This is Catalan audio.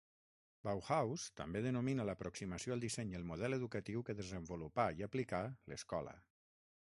Bauhaus també denomina l'aproximació al disseny i el model educatiu que desenvolupà i aplicà l'escola.